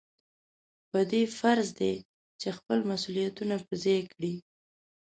په ده فرض دی چې خپل مسؤلیتونه په ځای کړي.